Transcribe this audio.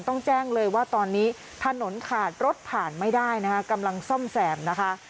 ต้องแจ้งเลยว่าตอนนี้ถนนขาดรถผ่านไม่ได้นะคะกำลังซ่อมแสมนะคะ